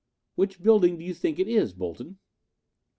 Which building do you think it is, Bolton?"